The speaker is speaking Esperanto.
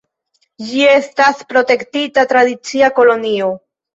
Ĝi estas protektita tradicia kolonio.